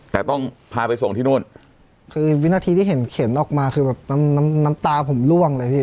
แต่ต้องพาไปส่งที่นู่นคือวินาทีที่เห็นเข็นออกมาคือแบบน้ำน้ำตาผมล่วงเลยพี่